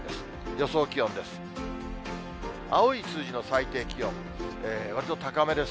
予想気温です。